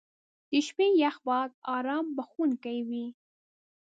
• د شپې یخ باد ارام بخښونکی وي.